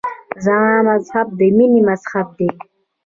زما مذهب د مینې مذهب دی.